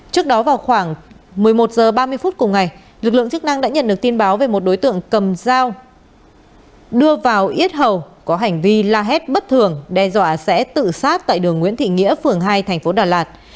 trước đó vào khoảng một mươi một h ba mươi phút cùng ngày lực lượng chức năng đã nhận được tin báo về một đối tượng cầm dao đưa vào yết hầu có hành vi la hét bất thường đe dọa sẽ tự sát tại đường nguyễn thị nghĩa phường hai thành phố đà lạt